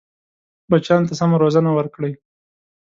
بچیانو ته سمه روزنه ورکړئ.